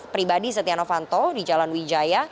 pribadi setia novanto di jalan wijaya